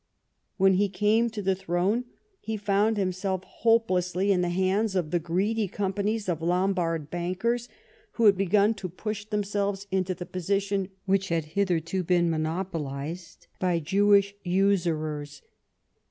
When he came to the throne he found himself hopelessly in the hands of the greedy companies of Lombard bankers, Avho had begun to push themselves into the position which had hitherto been monopolised by Jewish usurers.